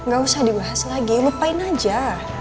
gak usah dibahas lagi lupain aja